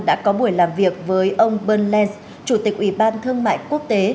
đã có buổi làm việc với ông bernd lenz chủ tịch ủy ban thương mại quốc tế